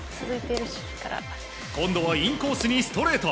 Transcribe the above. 今度はインコースにストレート。